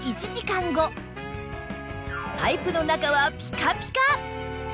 パイプの中はピカピカ！